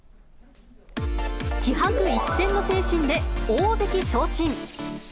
気魄一閃の精神で大関昇進。